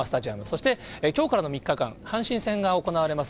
そしてきょうからの３日間、阪神戦が行われます